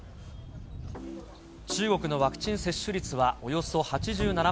中国のワクチン接種率はおよそ８７％。